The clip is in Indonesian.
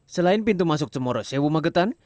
selain pintu masuk cemoro sewu magetan